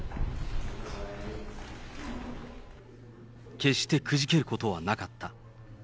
決してくじけることはなかった。